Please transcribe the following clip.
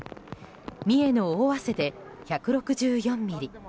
三重の尾鷲で１６４ミリ。